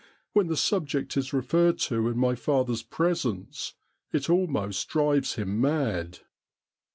When the subject is referred to in my father's presence it almost drives him mad.'